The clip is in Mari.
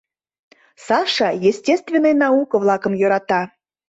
Саша естественный науко-влакым йӧрата.